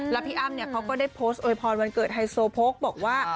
แล้วพี่อ้ำเขาก็ได้โพสต์โวยพรวันเกิดไฮโซโพกบอกว่า